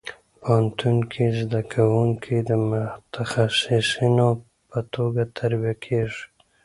پوهنتون کې زده کوونکي د متخصصینو په توګه تربیه کېږي.